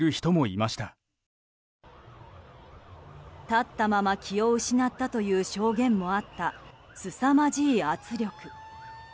立ったまま気を失ったという証言もあった、すさまじい圧力。